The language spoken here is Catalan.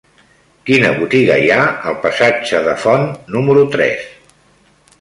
Quina botiga hi ha al passatge de Font número tres?